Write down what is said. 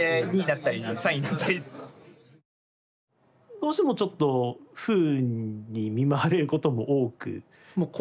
どうしてもちょっと不運に見舞われることも多く。